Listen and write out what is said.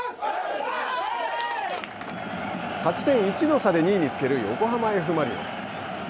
勝ち点１の差で２位につける横浜Ｆ・マリノス。